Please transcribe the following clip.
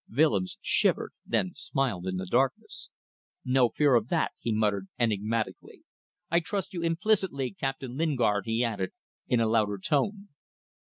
Willems shivered, then smiled in the darkness. "No fear of that," he muttered, enigmatically. "I trust you implicitly, Captain Lingard," he added, in a louder tone.